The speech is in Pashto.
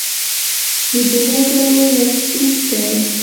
د دغو ډلو لست اوږد دی.